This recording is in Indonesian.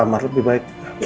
pak amar lebih baik